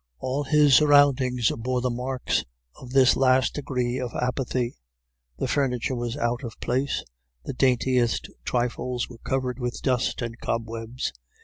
All his surroundings bore the marks of this last degree of apathy, the furniture was out of place, the daintiest trifles were covered with dust and cobwebs.